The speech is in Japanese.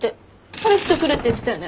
春樹と来るって言ってたよね。